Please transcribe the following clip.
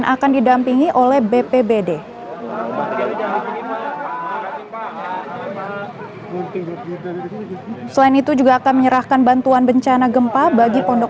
akan didampingi oleh bpbd selain itu juga akan menyerahkan bantuan bencana gempa bagi pondok